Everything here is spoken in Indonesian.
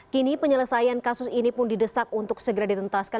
kini penyelesaian kasus ini pun didesak untuk segera ditentaskan